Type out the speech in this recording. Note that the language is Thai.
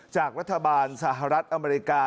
จากรัฐบาลสหรัฐอเมริกา